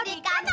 he lepaskan dia